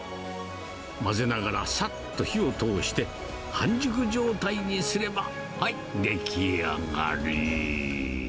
混ぜながらさっと火を通して、半熟状態にすれば、はい、出来上がり。